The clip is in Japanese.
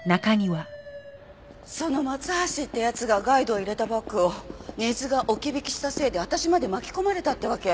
その松橋って奴がガイドを入れたバッグを根津が置き引きしたせいで私まで巻き込まれたってわけ？